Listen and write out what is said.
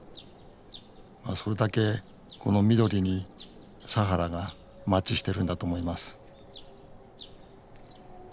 まあそれだけこの緑にサハラがマッチしてるんだと思います